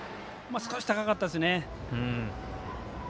少し高かったですね。